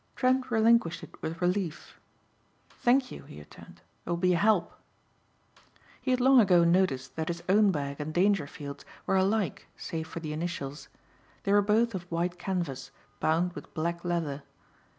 Trent relinquished it with relief. "Thank you," he returned, "it will be a help." He had long ago noticed that his own bag and Dangerfield's were alike save for the initials. They were both of white canvas, bound with black leather.